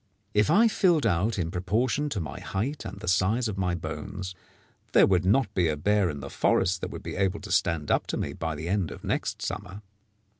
If I filled out in proportion to my height and the size of my bones, there would not be a bear in the forest that would be able to stand up to me by the end of next summer.